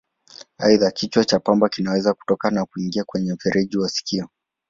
Aidha, kichwa cha pamba kinaweza kutoka na kuingia kwenye mfereji wa sikio.